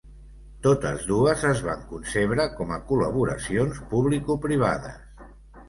Totes dues es van concebre com a col·laboracions publicoprivades.